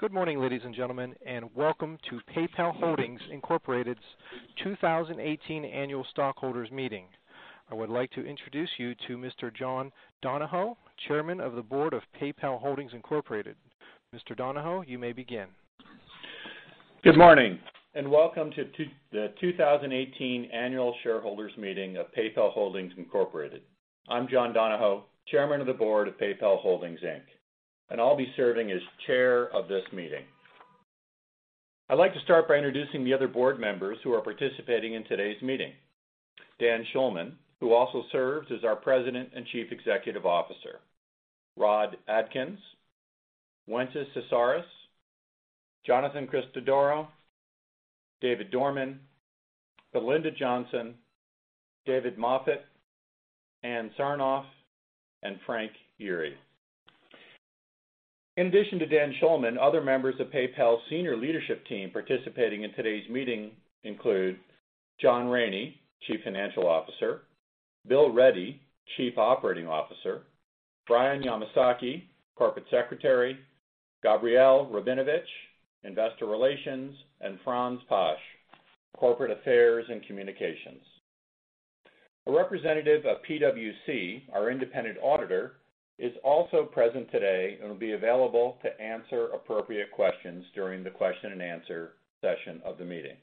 Good morning, ladies and gentlemen, and welcome to PayPal Holdings, Inc.'s 2018 annual stockholders meeting. I would like to introduce you to Mr. John Donahoe, Chairman of the Board of PayPal Holdings, Inc.. Mr. Donahoe, you may begin. Good morning, and welcome to the 2018 Annual Shareholders Meeting of PayPal Holdings Incorporated. I'm John Donahoe, Chairman of the Board of PayPal Holdings Inc., and I'll be serving as Chair of this meeting. I'd like to start by introducing the other board members who are participating in today's meeting. Dan Schulman, who also serves as our President and Chief Executive Officer. Rod Adkins, Wences Casares, Jonathan Christodoro, David Dorman, Belinda Johnson, David Moffett, Ann Sarnoff, and Frank Yeary. In addition to Dan Schulman, other members of PayPal's senior leadership team participating in today's meeting include John Rainey, Chief Financial Officer, Bill Ready, Chief Operating Officer, Brian Yamasaki, Corporate Secretary, Gabrielle Rabinovitch, Investor Relations, and Franz Paasche, Corporate Affairs and Communications. A representative of PwC, our independent auditor, is also present today and will be available to answer appropriate questions during the question and answer session of the meeting.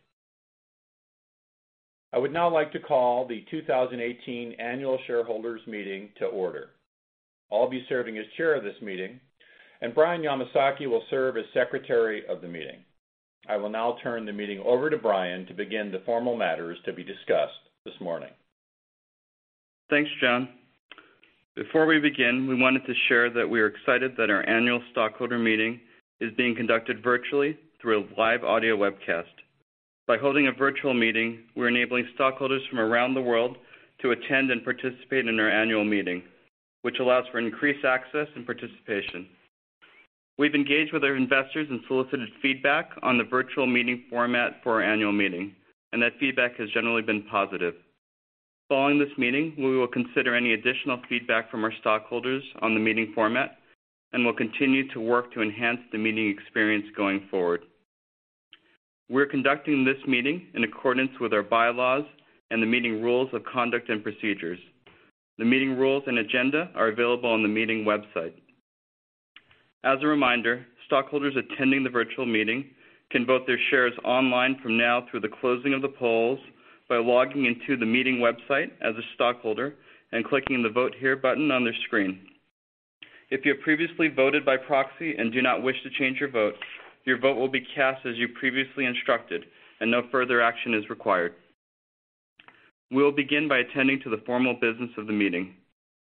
I would now like to call the 2018 Annual Shareholders Meeting to order. I'll be serving as Chair of this meeting, and Brian Yamasaki will serve as Secretary of the meeting. I will now turn the meeting over to Brian to begin the formal matters to be discussed this morning. Thanks, John. Before we begin, we wanted to share that we are excited that our annual stockholder meeting is being conducted virtually through a live audio webcast. By holding a virtual meeting, we're enabling stockholders from around the world to attend and participate in our annual meeting, which allows for increased access and participation. We've engaged with our investors and solicited feedback on the virtual meeting format for our annual meeting, that feedback has generally been positive. Following this meeting, we will consider any additional feedback from our stockholders on the meeting format and will continue to work to enhance the meeting experience going forward. We're conducting this meeting in accordance with our bylaws and the meeting rules of conduct and procedures. The meeting rules and agenda are available on the meeting website. As a reminder, stockholders attending the virtual meeting can vote their shares online from now through the closing of the polls by logging in to the meeting website as a stockholder and clicking the Vote Here button on their screen. If you have previously voted by proxy and do not wish to change your vote, your vote will be cast as you previously instructed, and no further action is required. We will begin by attending to the formal business of the meeting.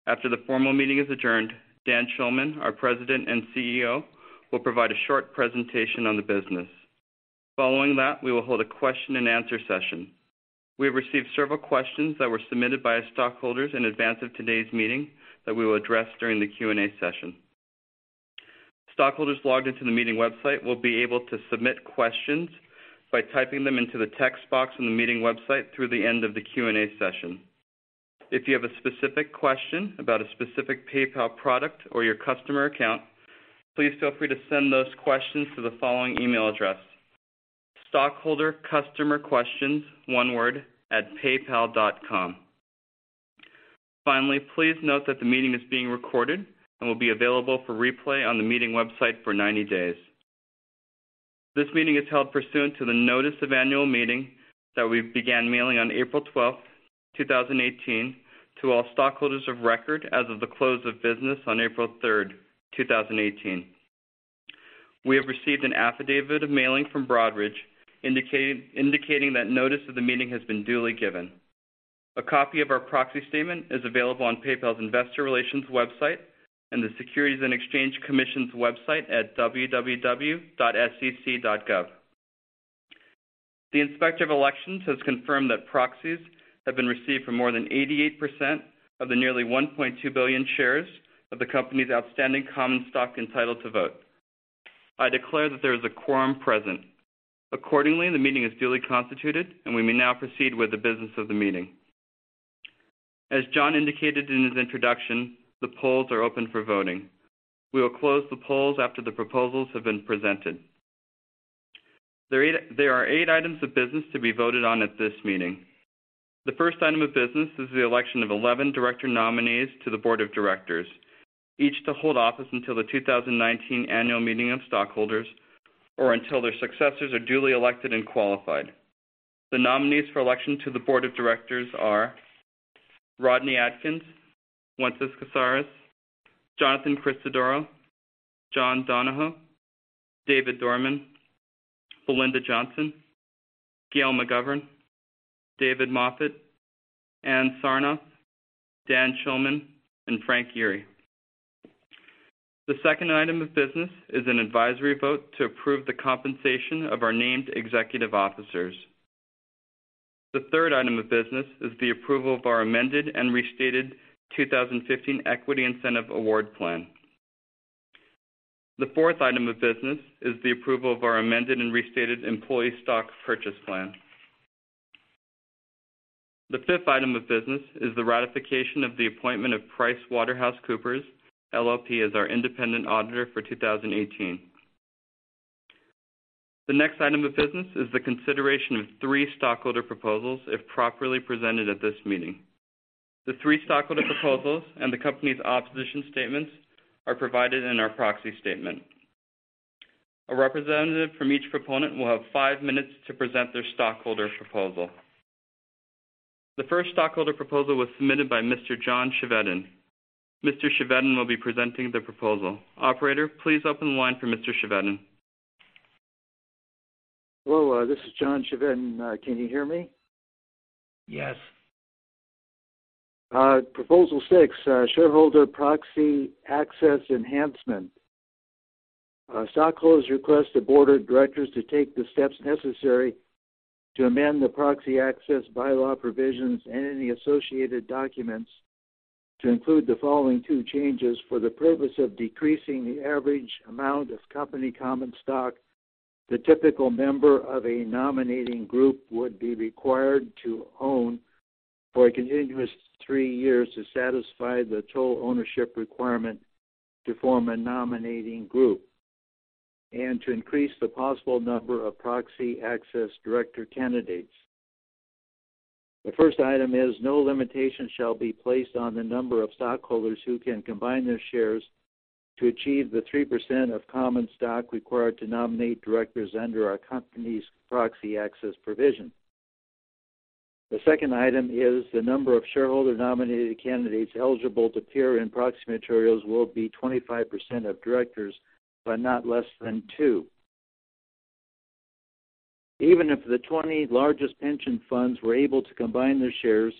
After the formal meeting is adjourned, Dan Schulman, our President and CEO, will provide a short presentation on the business. Following that, we will hold a question and answer session. We have received several questions that were submitted by stockholders in advance of today's meeting that we will address during the Q&A session. Stockholders logged into the meeting website will be able to submit questions by typing them into the text box on the meeting website through the end of the Q&A session. If you have a specific question about a specific PayPal product or your customer account, please feel free to send those questions to the following email address, stockholdercustomerquestions@paypal.com. Finally, please note that the meeting is being recorded and will be available for replay on the meeting website for 90 days. This meeting is held pursuant to the notice of annual meeting that we began mailing on April 12th, 2018 to all stockholders of record as of the close of business on April 3rd, 2018. We have received an affidavit of mailing from Broadridge indicating that notice of the meeting has been duly given. A copy of our proxy statement is available on PayPal's Investor Relations website and the Securities and Exchange Commission's website at www.sec.gov. The Inspector of Elections has confirmed that proxies have been received from more than 88% of the nearly 1.2 billion shares of the company's outstanding common stock entitled to vote. I declare that there is a quorum present. Accordingly, the meeting is duly constituted, and we may now proceed with the business of the meeting. As John indicated in his introduction, the polls are open for voting. We will close the polls after the proposals have been presented. There are eight items of business to be voted on at this meeting. The first item of business is the election of 11 director nominees to the Board of Directors, each to hold office until the 2019 annual meeting of stockholders or until their successors are duly elected and qualified. The nominees for election to the Board of Directors are Rodney Adkins, Wences Casares, Jonathan Christodoro, John Donahoe, David Dorman, Belinda Johnson, Gail McGovern, David Moffett, Ann Sarnoff, Dan Schulman, and Frank Yeary. The second item of business is an advisory vote to approve the compensation of our named executive officers. The third item of business is the approval of our amended and restated 2015 Equity Incentive Award Plan. The fourth item of business is the approval of our amended and restated employee stock purchase plan. The fifth item of business is the ratification of the appointment of PricewaterhouseCoopers LLP as our independent auditor for 2018. The next item of business is the consideration of three stockholder proposals, if properly presented at this meeting. The three stockholder proposals and the company's opposition statements are provided in our proxy statement. A representative from each proponent will have five minutes to present their stockholder proposal. The first stockholder proposal was submitted by Mr. John Chevedden. Mr. Chevedden will be presenting the proposal. Operator, please open the line for Mr. Chevedden. Hello, this is John Chevedden. Can you hear me? Yes. Proposal six, shareholder proxy access enhancement. Stockholders request the board of directors to take the steps necessary to amend the proxy access bylaw provisions and any associated documents to include the following two changes for the purpose of decreasing the average amount of company common stock the typical member of a nominating group would be required to own for a continuous three years to satisfy the total ownership requirement to form a nominating group and to increase the possible number of proxy access director candidates. The first item is no limitations shall be placed on the number of stockholders who can combine their shares to achieve the 3% of common stock required to nominate directors under our company's proxy access provision. The second item is the number of shareholder-nominated candidates eligible to appear in proxy materials will be 25% of directors, but not less than two. Even if the 20 largest pension funds were able to combine their shares,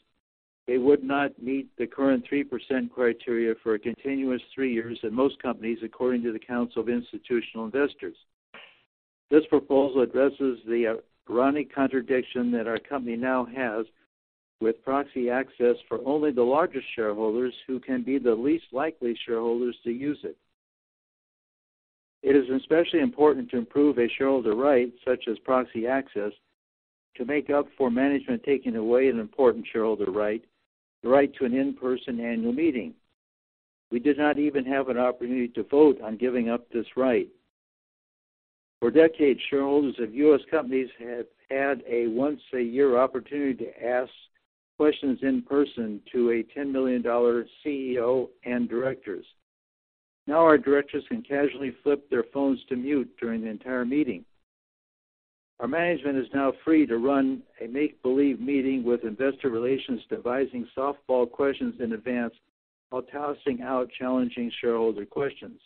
they would not meet the current 3% criteria for a continuous three years in most companies, according to the Council of Institutional Investors. This proposal addresses the ironic contradiction that our company now has with proxy access for only the largest shareholders who can be the least likely shareholders to use it. It is especially important to improve a shareholder right, such as proxy access, to make up for management taking away an important shareholder right, the right to an in-person annual meeting. We did not even have an opportunity to vote on giving up this right. For decades, shareholders of U.S. companies have had a once-a-year opportunity to ask questions in person to a $10 million CEO and directors. Now our directors can casually flip their phones to mute during the entire meeting. Our management is now free to run a make-believe meeting with investor relations devising softball questions in advance while tossing out challenging shareholder questions.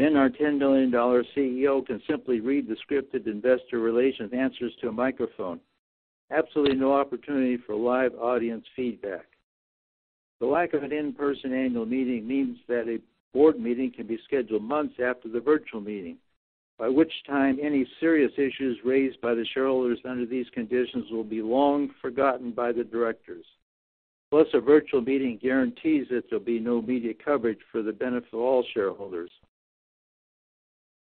Our $10 million CEO can simply read the scripted investor relations answers to a microphone. Absolutely no opportunity for live audience feedback. The lack of an in-person annual meeting means that a board meeting can be scheduled months after the virtual meeting, by which time any serious issues raised by the shareholders under these conditions will be long forgotten by the directors. Plus, a virtual meeting guarantees that there will be no media coverage for the benefit of all shareholders.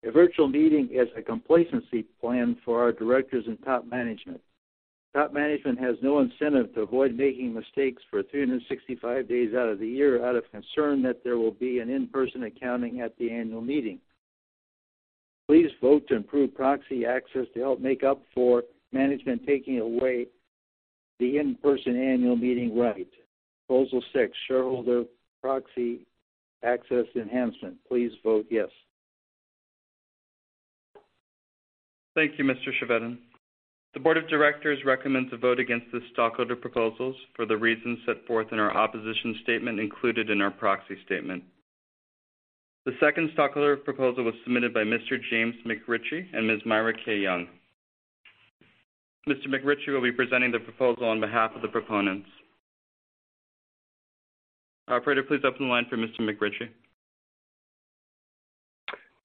A virtual meeting is a complacency plan for our directors and top management. Top management has no incentive to avoid making mistakes for 365 days out of the year out of concern that there will be an in-person accounting at the annual meeting. Please vote to improve proxy access to help make up for management taking away the in-person annual meeting right. Proposal 6, shareholder proxy access enhancement. Please vote yes. Thank you, Mr. Chevedden. The board of directors recommends a vote against the stockholder proposals for the reasons set forth in our opposition statement included in our proxy statement. The 2nd stockholder proposal was submitted by Mr. James McRitchie and Ms. Myra K. Young. Mr. McRitchie will be presenting the proposal on behalf of the proponents. Operator, please open the line for Mr. McRitchie.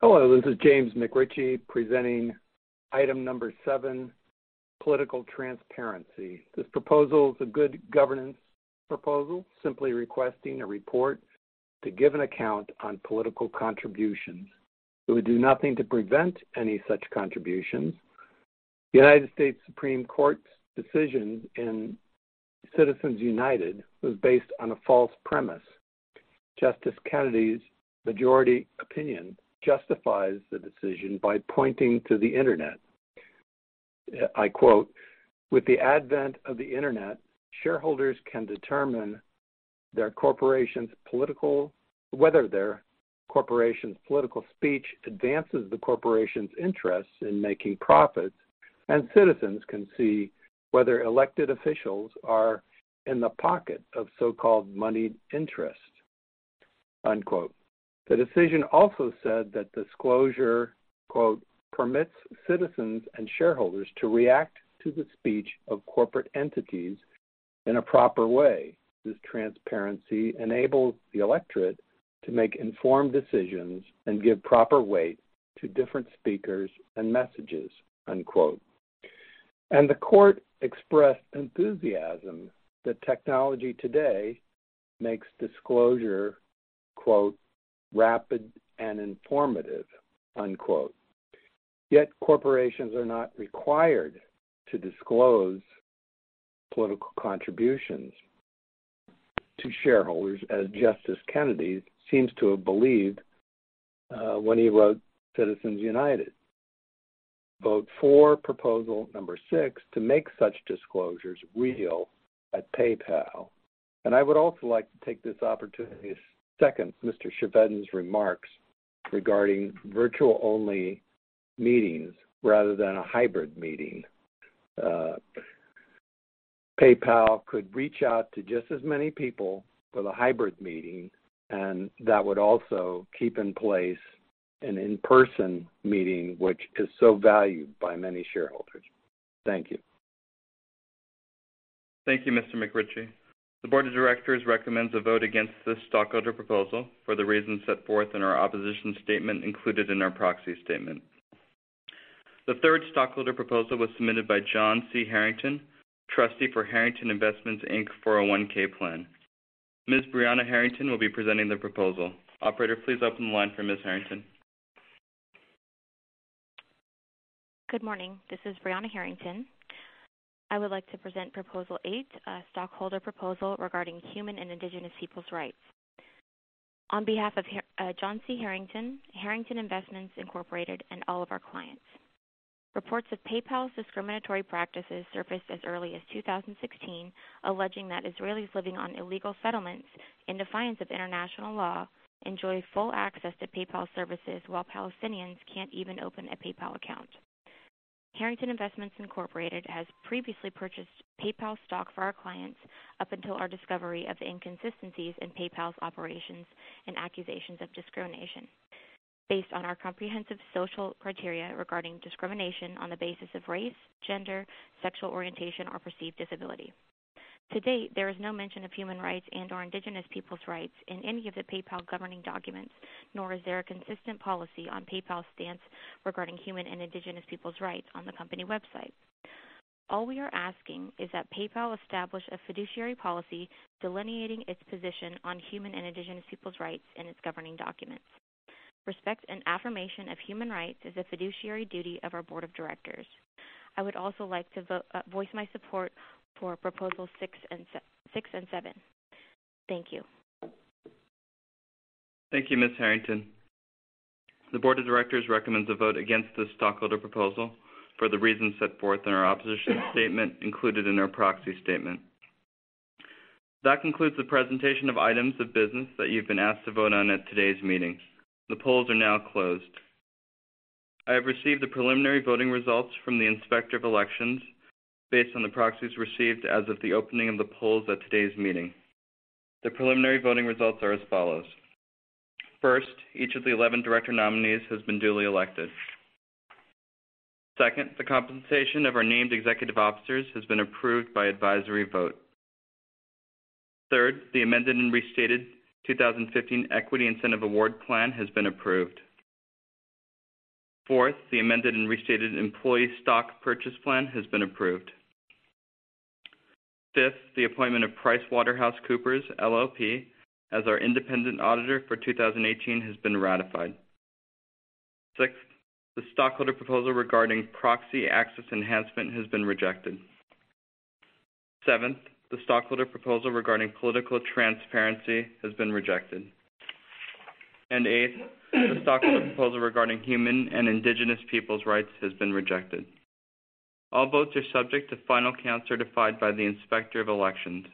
Hello, this is James McRitchie presenting item number 7, political transparency. This proposal is a good governance proposal, simply requesting a report to give an account on political contributions. It would do nothing to prevent any such contributions. The U.S. Supreme Court's decision in Citizens United was based on a false premise. Justice Kennedy's majority opinion justifies the decision by pointing to the Internet. I quote, "With the advent of the Internet, shareholders can determine whether their corporation's political speech advances the corporation's interests in making profits, and citizens can see whether elected officials are in the pocket of so-called moneyed interests." Unquote. The decision also said that disclosure "permits citizens and shareholders to react to the speech of corporate entities in a proper way. This transparency enables the electorate to make informed decisions and give proper weight to different speakers and messages." Unquote. The court expressed enthusiasm that technology today makes disclosure "rapid and informative." Unquote. Yet corporations are not required to disclose political contributions to shareholders, as Justice Kennedy seems to have believed when he wrote Citizens United. Vote for proposal number six to make such disclosures real at PayPal. I would also like to take this opportunity to second Mr. Chevedden's remarks regarding virtual-only meetings rather than a hybrid meeting. PayPal could reach out to just as many people with a hybrid meeting, and that would also keep in place an in-person meeting, which is so valued by many shareholders. Thank you. Thank you, Mr. McRitchie. The board of directors recommends a vote against this stockholder proposal for the reasons set forth in our opposition statement included in our proxy statement. The third stockholder proposal was submitted by John C. Harrington, trustee for Harrington Investments, Inc., 401 plan. Ms. Brianna Harrington will be presenting the proposal. Operator, please open the line for Ms. Harrington. Good morning. This is Brianna Harrington. I would like to present Proposal eight, a stockholder proposal regarding human and indigenous peoples' rights. On behalf of John C. Harrington Investments Incorporated, and all of our clients. Reports of PayPal's discriminatory practices surfaced as early as 2016, alleging that Israelis living on illegal settlements, in defiance of international law, enjoy full access to PayPal services while Palestinians can't even open a PayPal account. Harrington Investments Incorporated has previously purchased PayPal stock for our clients up until our discovery of the inconsistencies in PayPal's operations and accusations of discrimination. Based on our comprehensive social criteria regarding discrimination on the basis of race, gender, sexual orientation, or perceived disability. To date, there is no mention of human rights and/or indigenous peoples' rights in any of the PayPal governing documents, nor is there a consistent policy on PayPal's stance regarding human and indigenous peoples' rights on the company website. All we are asking is that PayPal establish a fiduciary policy delineating its position on human and indigenous peoples' rights in its governing documents. Respect and affirmation of human rights is a fiduciary duty of our board of directors. I would also like to voice my support for Proposals six and seven. Thank you. Thank you, Ms. Harrington. The board of directors recommends a vote against this stockholder proposal for the reasons set forth in our opposition statement included in our proxy statement. That concludes the presentation of items of business that you've been asked to vote on at today's meeting. The polls are now closed. I have received the preliminary voting results from the Inspector of Elections based on the proxies received as of the opening of the polls at today's meeting. The preliminary voting results are as follows. First, each of the 11 director nominees has been duly elected. Second, the compensation of our named executive officers has been approved by advisory vote. Third, the amended and restated 2015 Equity Incentive Award Plan has been approved. Fourth, the amended and restated employee stock purchase plan has been approved. Fifth, the appointment of PricewaterhouseCoopers LLP as our independent auditor for 2018 has been ratified. Sixth, the stockholder proposal regarding proxy access enhancement has been rejected. Seventh, the stockholder proposal regarding political transparency has been rejected. Eighth, the stockholder proposal regarding human and indigenous peoples' rights has been rejected. All votes are subject to final count certified by the Inspector of Elections,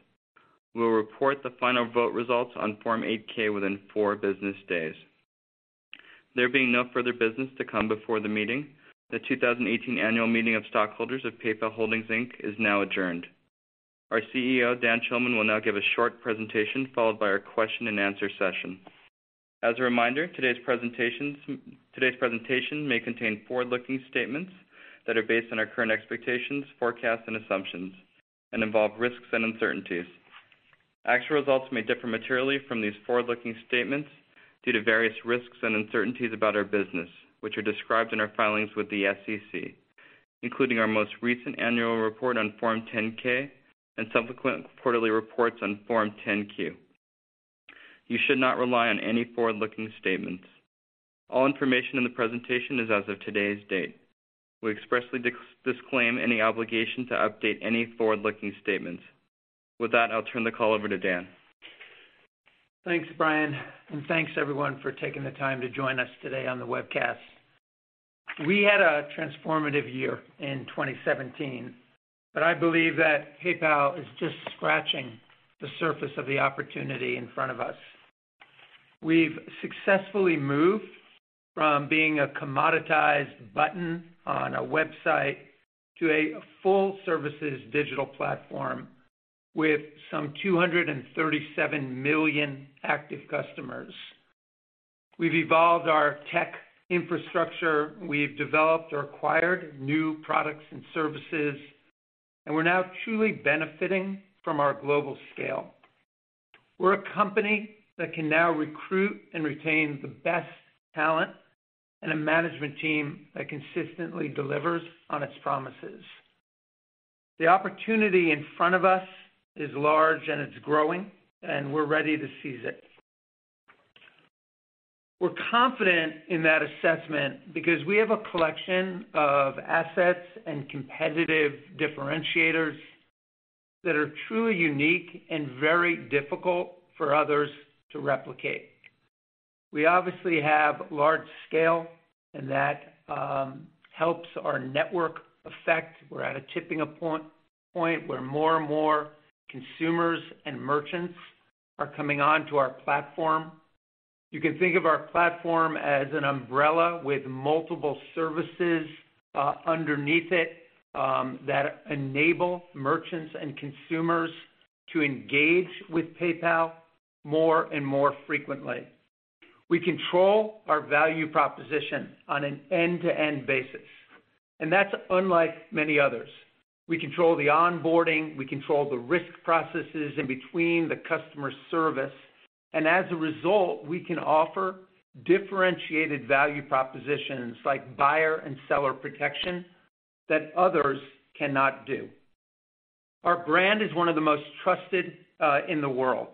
who will report the final vote results on Form 8-K within four business days. There being no further business to come before the meeting, the 2018 annual meeting of stockholders of PayPal Holdings, Inc. is now adjourned. Our CEO, Dan Schulman, will now give a short presentation, followed by our question and answer session. As a reminder, today's presentation may contain forward-looking statements that are based on our current expectations, forecasts, and assumptions and involve risks and uncertainties. Actual results may differ materially from these forward-looking statements due to various risks and uncertainties about our business, which are described in our filings with the SEC, including our most recent annual report on Form 10-K and subsequent quarterly reports on Form 10-Q. You should not rely on any forward-looking statements. All information in the presentation is as of today's date. We expressly disclaim any obligation to update any forward-looking statements. With that, I'll turn the call over to Dan. Thanks, Brian, and thanks everyone for taking the time to join us today on the webcast. We had a transformative year in 2017, but I believe that PayPal is just scratching the surface of the opportunity in front of us. We've successfully moved from being a commoditized button on a website to a full-services digital platform with some 237 million active customers. We've evolved our tech infrastructure, we've developed or acquired new products and services, and we're now truly benefiting from our global scale. We're a company that can now recruit and retain the best talent and a management team that consistently delivers on its promises. The opportunity in front of us is large and it's growing, and we're ready to seize it. We're confident in that assessment because we have a collection of assets and competitive differentiators that are truly unique and very difficult for others to replicate. We obviously have large scale, that helps our network effect. We're at a tipping point where more and more consumers and merchants are coming onto our platform. You can think of our platform as an umbrella with multiple services underneath it that enable merchants and consumers to engage with PayPal more and more frequently. We control our value proposition on an end-to-end basis, that's unlike many others. We control the onboarding, we control the risk processes in between the customer service, and as a result, we can offer differentiated value propositions like buyer and seller protection that others cannot do. Our brand is one of the most trusted in the world.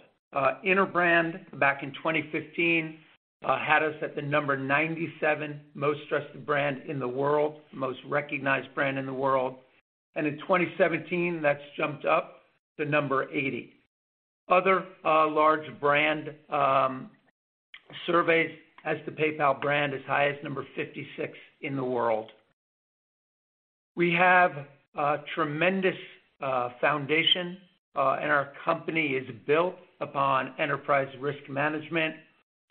Interbrand, back in 2015, had us at the number 97 most trusted brand in the world, most recognized brand in the world. In 2017, that's jumped up to number 80. Other large brand surveys has the PayPal brand as high as number 56 in the world. We have a tremendous foundation, our company is built upon enterprise risk management,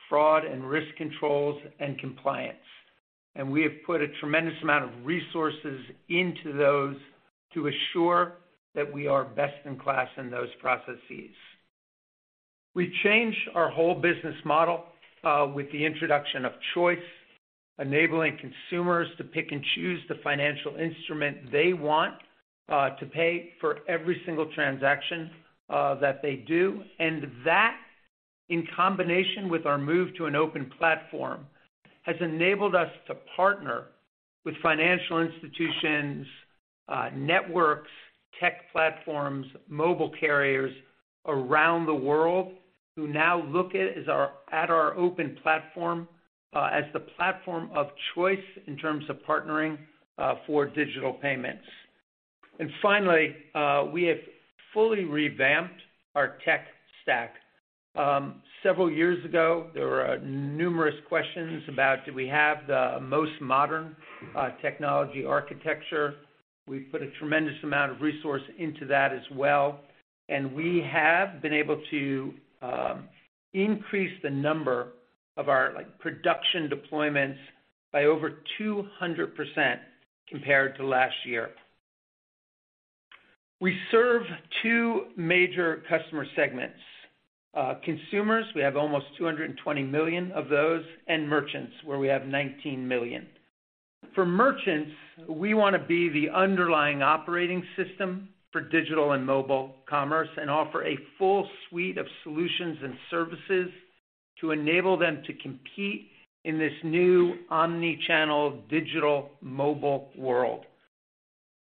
fraud and risk controls, and compliance. We have put a tremendous amount of resources into those to assure that we are best in class in those processes. We've changed our whole business model with the introduction of choice, enabling consumers to pick and choose the financial instrument they want to pay for every single transaction that they do. That, in combination with our move to an open platform, has enabled us to partner with financial institutions, networks, tech platforms, mobile carriers around the world who now look at our open platform as the platform of choice in terms of partnering for digital payments. Finally, we have fully revamped our tech stack. Several years ago, there were numerous questions about, do we have the most modern technology architecture? We've put a tremendous amount of resource into that as well, we have been able to increase the number of our production deployments by over 200% compared to last year. We serve two major customer segments. Consumers, we have almost 220 million of those, and merchants, where we have 19 million. For merchants, we want to be the underlying operating system for digital and mobile commerce and offer a full suite of solutions and services to enable them to compete in this new omni-channel digital mobile world.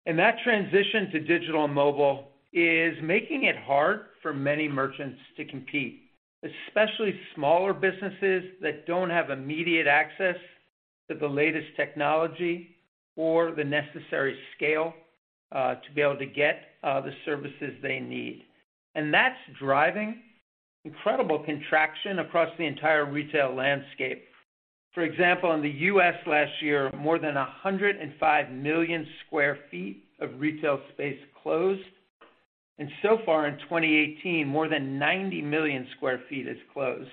That transition to digital mobile is making it hard for many merchants to compete, especially smaller businesses that don't have immediate access to the latest technology or the necessary scale to be able to get the services they need. That's driving incredible contraction across the entire retail landscape. For example, in the U.S. last year, more than 105 million sq ft of retail space closed, so far in 2018, more than 90 million sq ft has closed.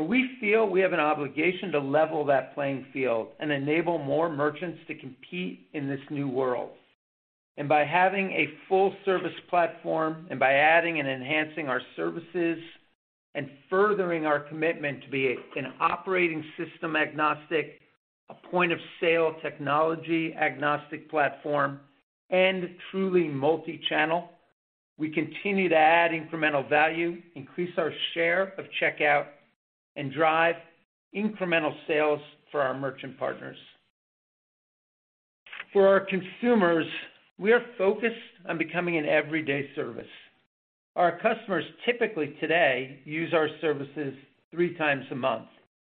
We feel we have an obligation to level that playing field and enable more merchants to compete in this new world. By having a full-service platform, by adding and enhancing our services, furthering our commitment to be an operating system agnostic, a point-of-sale technology agnostic platform, truly multi-channel, we continue to add incremental value, increase our share of checkout, drive incremental sales for our merchant partners. For our consumers, we are focused on becoming an everyday service. Our customers typically today use our services three times a month,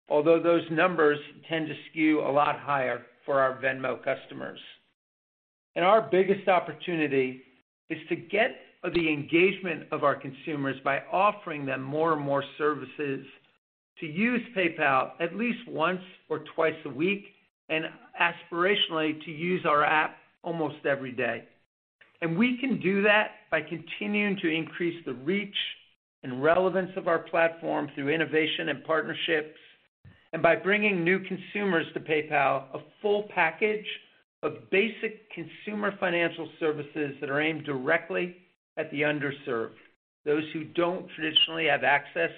although those numbers tend to skew a lot higher for our Venmo customers. Our biggest opportunity is to get the engagement of our consumers by offering them more and more services to use PayPal at least once or twice a week, aspirationally, to use our app almost every day. We can do that by continuing to increase the reach and relevance of our platform through innovation and partnerships, by bringing new consumers to PayPal a full package of basic consumer financial services that are aimed directly at the underserved, those who don't traditionally have access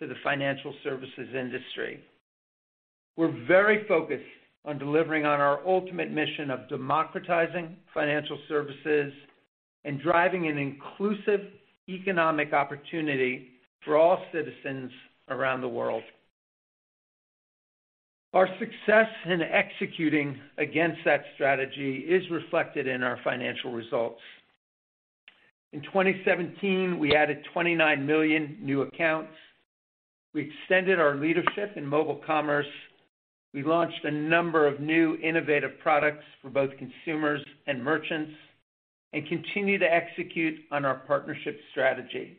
to the financial services industry. We're very focused on delivering on our ultimate mission of democratizing financial services and driving an inclusive economic opportunity for all citizens around the world. Our success in executing against that strategy is reflected in our financial results. In 2017, we added 29 million new accounts. We extended our leadership in mobile commerce. We launched a number of new innovative products for both consumers and merchants, and continue to execute on our partnership strategy.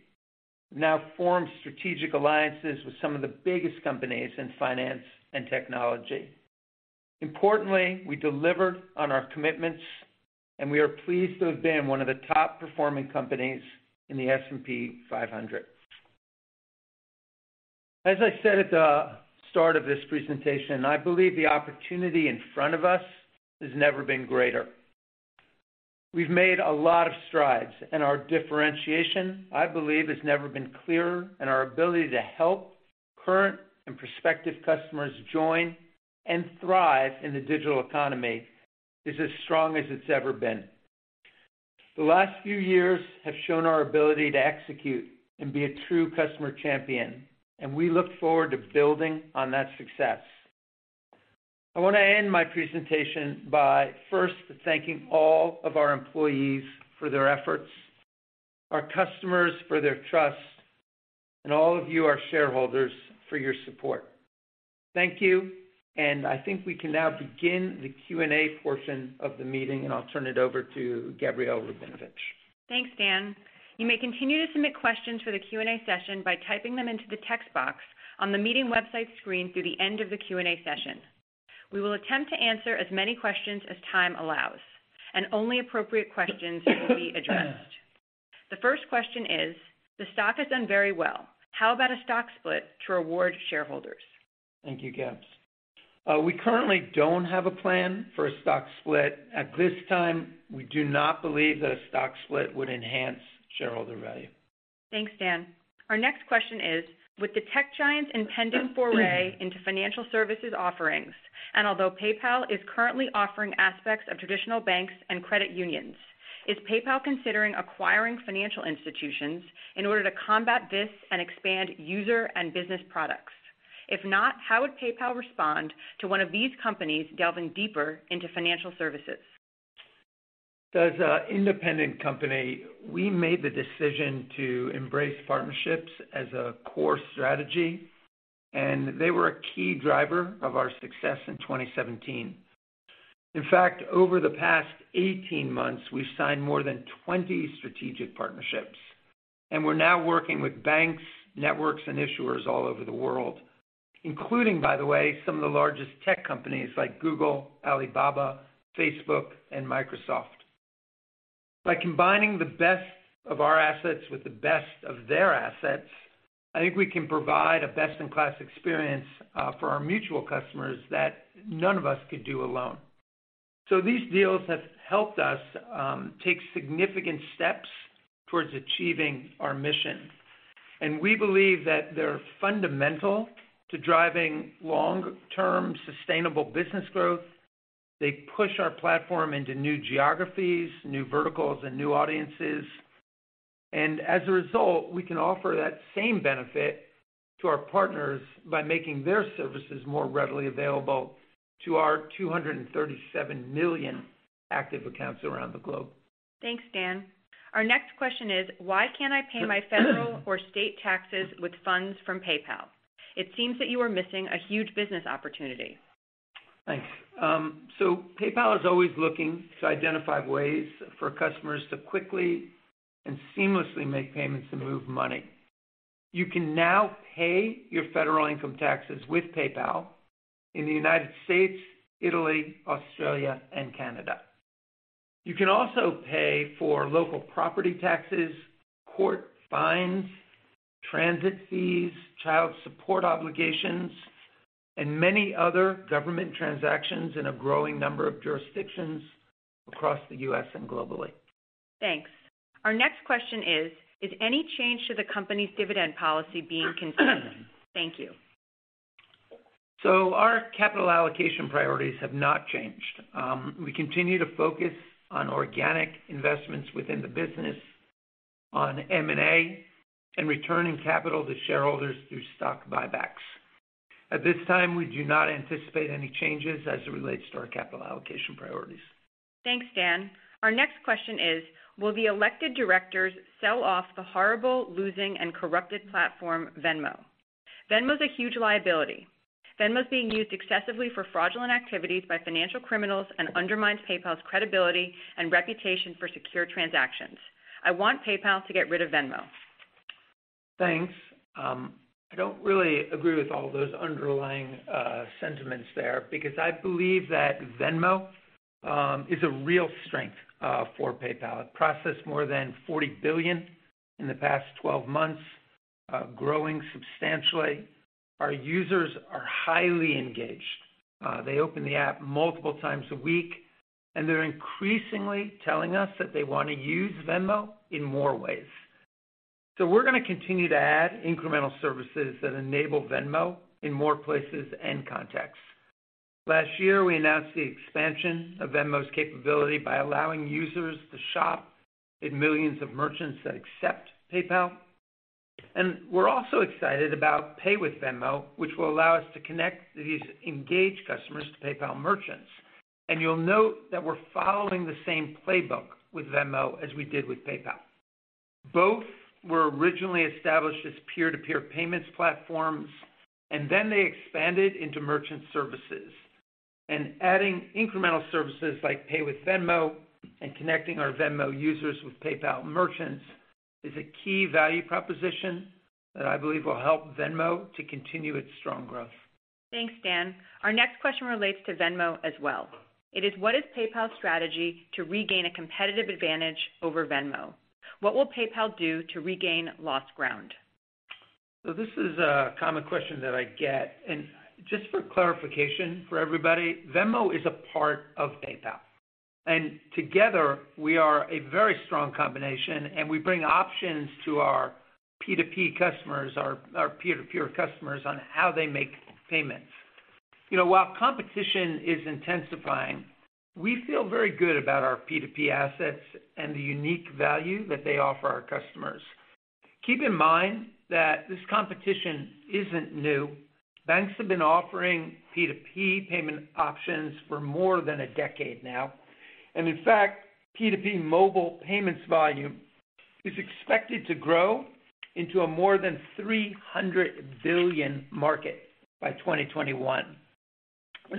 We've now formed strategic alliances with some of the biggest companies in finance and technology. Importantly, we delivered on our commitments, and we are pleased to have been one of the top-performing companies in the S&P 500. As I said at the start of this presentation, I believe the opportunity in front of us has never been greater. We've made a lot of strides, and our differentiation, I believe, has never been clearer, and our ability to help current and prospective customers join and thrive in the digital economy is as strong as it's ever been. The last few years have shown our ability to execute and be a true customer champion, and we look forward to building on that success. I want to end my presentation by first thanking all of our employees for their efforts, our customers for their trust, and all of you, our shareholders, for your support. Thank you, and I think we can now begin the Q&A portion of the meeting, and I'll turn it over to Gabrielle Rabinovitch. Thanks, Dan. You may continue to submit questions for the Q&A session by typing them into the text box on the meeting website screen through the end of the Q&A session. We will attempt to answer as many questions as time allows, and only appropriate questions will be addressed. The first question is, the stock has done very well. How about a stock split to reward shareholders? Thank you, Gabs. We currently don't have a plan for a stock split. At this time, we do not believe that a stock split would enhance shareholder value. Thanks, Dan. Our next question is, with the tech giants intending foray into financial services offerings, although PayPal is currently offering aspects of traditional banks and credit unions, is PayPal considering acquiring financial institutions in order to combat this and expand user and business products? If not, how would PayPal respond to one of these companies delving deeper into financial services? As an independent company, we made the decision to embrace partnerships as a core strategy. They were a key driver of our success in 2017. In fact, over the past 18 months, we've signed more than 20 strategic partnerships. We're now working with banks, networks, and issuers all over the world, including, by the way, some of the largest tech companies like Google, Alibaba, Facebook, and Microsoft. By combining the best of our assets with the best of their assets, I think we can provide a best-in-class experience for our mutual customers that none of us could do alone. These deals have helped us take significant steps towards achieving our mission, and we believe that they're fundamental to driving long-term sustainable business growth. They push our platform into new geographies, new verticals, and new audiences. As a result, we can offer that same benefit to our partners by making their services more readily available to our 237 million active accounts around the globe. Thanks, Dan. Our next question is, why can't I pay my federal or state taxes with funds from PayPal? It seems that you are missing a huge business opportunity. Thanks. PayPal is always looking to identify ways for customers to quickly and seamlessly make payments and move money. You can now pay your federal income taxes with PayPal in the United States, Italy, Australia, and Canada. You can also pay for local property taxes, court fines, transit fees, child support obligations, and many other government transactions in a growing number of jurisdictions across the U.S. and globally. Thanks. Our next question is any change to the company's dividend policy being considered? Thank you. Our capital allocation priorities have not changed. We continue to focus on organic investments within the business, on M&A, and returning capital to shareholders through stock buybacks. At this time, we do not anticipate any changes as it relates to our capital allocation priorities. Thanks, Dan. Our next question is, will the elected directors sell off the horrible, losing, and corrupted platform, Venmo? Venmo is a huge liability. Venmo is being used excessively for fraudulent activities by financial criminals and undermines PayPal's credibility and reputation for secure transactions. I want PayPal to get rid of Venmo. Thanks. I don't really agree with all those underlying sentiments there, because I believe that Venmo is a real strength for PayPal. It processed more than $40 billion in the past 12 months, growing substantially. Our users are highly engaged. They open the app multiple times a week, and they're increasingly telling us that they want to use Venmo in more ways. We're going to continue to add incremental services that enable Venmo in more places and contexts. Last year, we announced the expansion of Venmo's capability by allowing users to shop in millions of merchants that accept PayPal. We're also excited about Pay with Venmo, which will allow us to connect these engaged customers to PayPal merchants. You'll note that we're following the same playbook with Venmo as we did with PayPal. Both were originally established as peer-to-peer payments platforms, and then they expanded into merchant services. Adding incremental services like Pay with Venmo and connecting our Venmo users with PayPal merchants is a key value proposition that I believe will help Venmo to continue its strong growth. Thanks, Dan. Our next question relates to Venmo as well. It is: what is PayPal's strategy to regain a competitive advantage over Venmo? What will PayPal do to regain lost ground? This is a common question that I get, and just for clarification for everybody, Venmo is a part of PayPal. Together, we are a very strong combination, and we bring options to our P2P customers, our peer-to-peer customers on how they make payments. While competition is intensifying, we feel very good about our P2P assets and the unique value that they offer our customers. Keep in mind that this competition isn't new. Banks have been offering P2P payment options for more than a decade now. In fact, P2P mobile payments volume is expected to grow into a more than $300 billion market by 2021.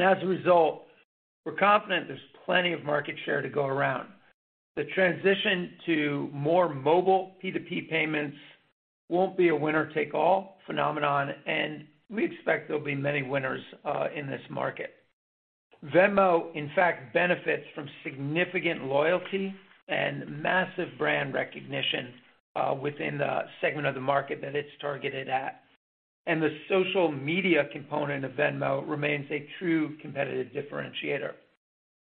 As a result, we're confident there's plenty of market share to go around. The transition to more mobile P2P payments won't be a winner-take-all phenomenon, and we expect there'll be many winners in this market. Venmo, in fact, benefits from significant loyalty and massive brand recognition within the segment of the market that it's targeted at. The social media component of Venmo remains a true competitive differentiator.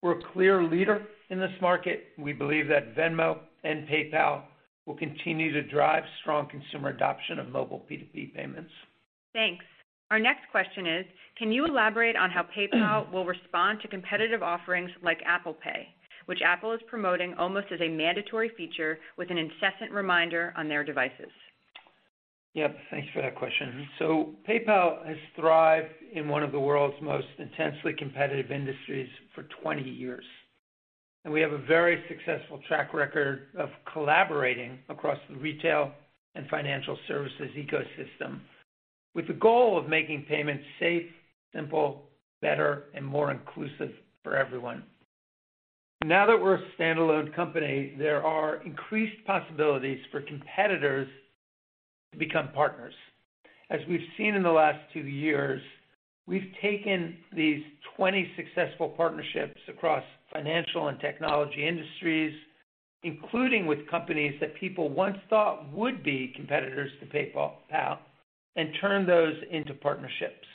We're a clear leader in this market. We believe that Venmo and PayPal will continue to drive strong consumer adoption of mobile P2P payments. Thanks. Our next question is: can you elaborate on how PayPal will respond to competitive offerings like Apple Pay, which Apple is promoting almost as a mandatory feature with an incessant reminder on their devices? Yep. Thanks for that question. PayPal has thrived in one of the world's most intensely competitive industries for 20 years, and we have a very successful track record of collaborating across the retail and financial services ecosystem with the goal of making payments safe, simple, better, and more inclusive for everyone. Now that we're a standalone company, there are increased possibilities for competitors to become partners. As we've seen in the last two years, we've taken these 20 successful partnerships across financial and technology industries, including with companies that people once thought would be competitors to PayPal, and turned those into partnerships.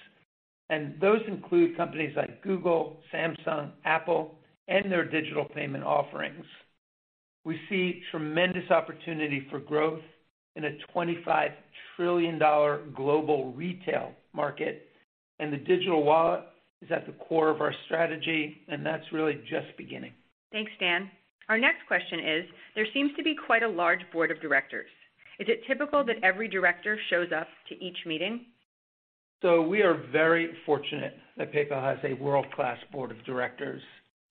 Those include companies like Google, Samsung, Apple, and their digital payment offerings. We see tremendous opportunity for growth in a $25 trillion global retail market, and the digital wallet is at the core of our strategy, and that's really just beginning. Thanks, Dan. Our next question is: there seems to be quite a large board of directors. Is it typical that every director shows up to each meeting? We are very fortunate that PayPal has a world-class board of directors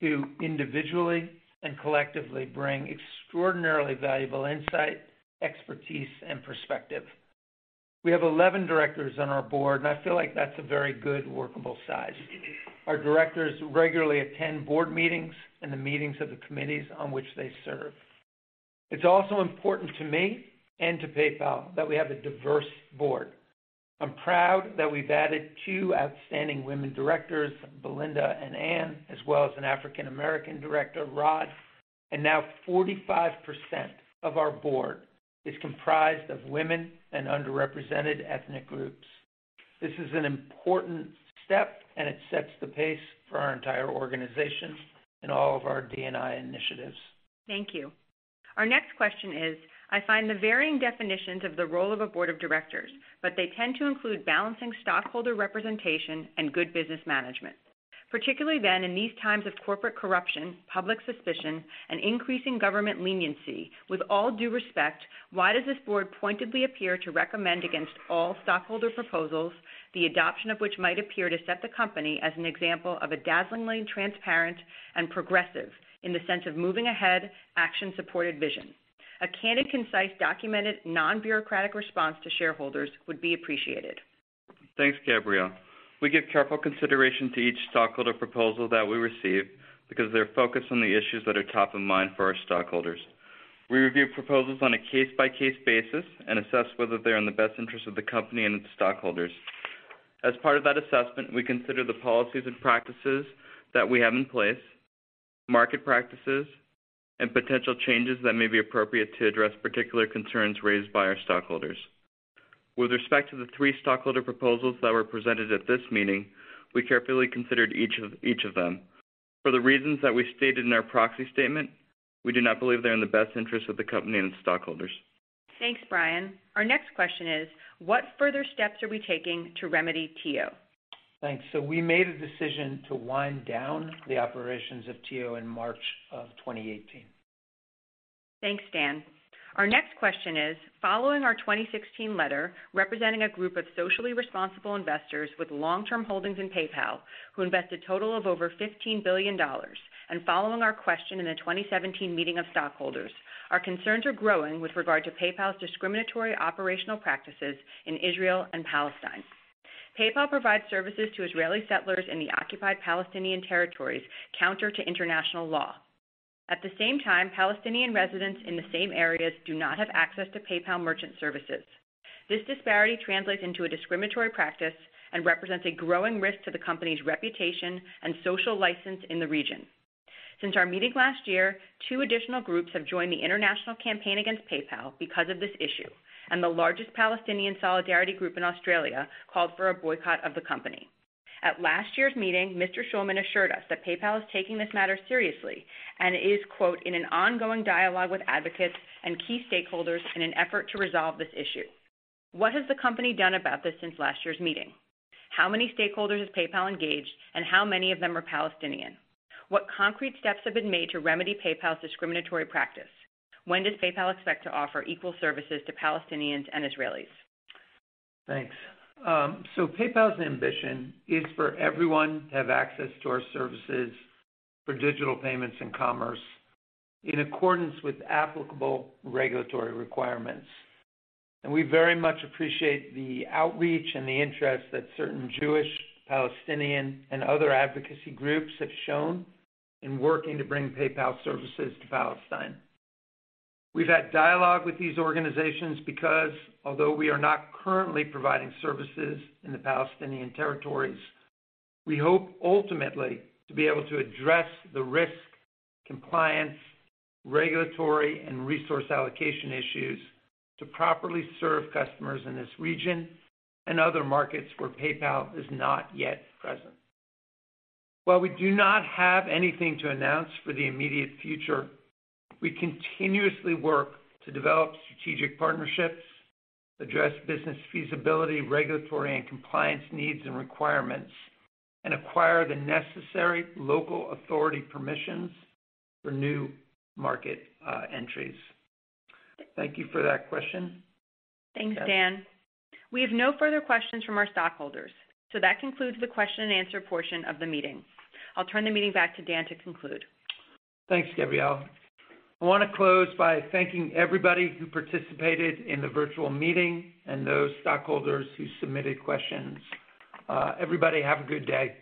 who individually and collectively bring extraordinarily valuable insight, expertise, and perspective. We have 11 directors on our board, and I feel like that's a very good workable size. Our directors regularly attend board meetings and the meetings of the committees on which they serve. It's also important to me and to PayPal that we have a diverse board. I'm proud that we've added two outstanding women directors, Belinda and Ann, as well as an African American director, Rod, and now 45% of our board is comprised of women and underrepresented ethnic groups. This is an important step, it sets the pace for our entire organization and all of our D&I initiatives. Thank you. Our next question is: I find the varying definitions of the role of a board of directors, they tend to include balancing stockholder representation and good business management. Particularly then in these times of corporate corruption, public suspicion, and increasing government leniency, with all due respect, why does this board pointedly appear to recommend against all stockholder proposals, the adoption of which might appear to set the company as an example of a dazzlingly transparent and progressive, in the sense of moving ahead, action-supported vision? A candid, concise, documented, non-bureaucratic response to shareholders would be appreciated. Thanks, Gabrielle. We give careful consideration to each stockholder proposal that we receive because they're focused on the issues that are top of mind for our stockholders. We review proposals on a case-by-case basis and assess whether they're in the best interest of the company and its stockholders. As part of that assessment, we consider the policies and practices that we have in place, market practices, and potential changes that may be appropriate to address particular concerns raised by our stockholders. With respect to the three stockholder proposals that were presented at this meeting, we carefully considered each of them. For the reasons that we stated in our proxy statement, we do not believe they're in the best interest of the company and its stockholders. Thanks, Brian. Our next question is: what further steps are we taking to remedy TIO? Thanks. We made a decision to wind down the operations of TIO in March of 2018. Thanks, Dan. Our next question is: Following our 2016 letter representing a group of socially responsible investors with long-term holdings in PayPal who invest a total of over $15 billion, and following our question in the 2017 meeting of stockholders, our concerns are growing with regard to PayPal's discriminatory operational practices in Israel and Palestine. PayPal provides services to Israeli settlers in the occupied Palestinian territories, counter to international law. At the same time, Palestinian residents in the same areas do not have access to PayPal merchant services. This disparity translates into a discriminatory practice and represents a growing risk to the company's reputation and social license in the region. Since our meeting last year, two additional groups have joined the international campaign against PayPal because of this issue, and the largest Palestinian solidarity group in Australia called for a boycott of the company. At last year's meeting, Mr. Schulman assured us that PayPal is taking this matter seriously and is, quote, "In an ongoing dialogue with advocates and key stakeholders in an effort to resolve this issue." What has the company done about this since last year's meeting? How many stakeholders has PayPal engaged, and how many of them are Palestinian? What concrete steps have been made to remedy PayPal's discriminatory practice? When does PayPal expect to offer equal services to Palestinians and Israelis? Thanks. PayPal's ambition is for everyone to have access to our services for digital payments and commerce in accordance with applicable regulatory requirements. We very much appreciate the outreach and the interest that certain Jewish, Palestinian, and other advocacy groups have shown in working to bring PayPal services to Palestine. We've had dialogue with these organizations because, although we are not currently providing services in the Palestinian territories, we hope ultimately to be able to address the risk, compliance, regulatory, and resource allocation issues to properly serve customers in this region and other markets where PayPal is not yet present. While we do not have anything to announce for the immediate future, we continuously work to develop strategic partnerships, address business feasibility, regulatory, and compliance needs and requirements, and acquire the necessary local authority permissions for new market entries. Thank you for that question. Thanks, Dan. We have no further questions from our stockholders, that concludes the question and answer portion of the meeting. I'll turn the meeting back to Dan to conclude. Thanks, Gabrielle. I want to close by thanking everybody who participated in the virtual meeting and those stockholders who submitted questions. Everybody have a good day.